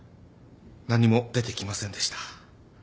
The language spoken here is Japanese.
何も出てきませんでした。